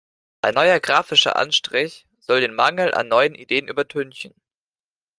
Ein neuer grafischer Anstrich soll den Mangel an neuen Ideen übertünchen.